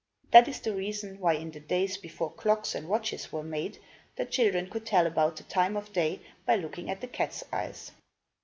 That is the reason why, in the days before clocks and watches were made, the children could tell about the time of day by looking at the cat's eyes.